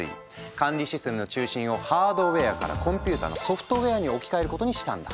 管理システムの中心をハードウェアからコンピューターのソフトウェアに置き換えることにしたんだ。